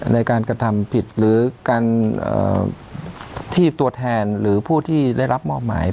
ในการกระทำผิดหรือการที่ตัวแทนหรือผู้ที่ได้รับมอบหมาย